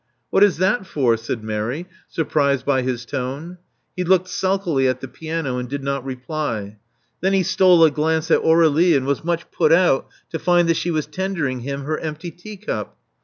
What is that for?" said Mary, surprised by his tone. He looked sulkily at the piano, and did not reply. Then he stole a glance at Aur^lie, and was much put out to find that she was tendering him her empty teacup.